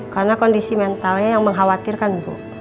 karena kondisi mentalnya yang mengkhawatirkan bu